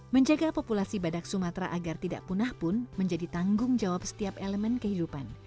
menjaga populasi badak sumatera agar tidak punah pun menjadi tanggung jawab setiap elemen kehidupan